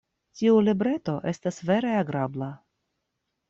Tiu libreto estas vere agrabla.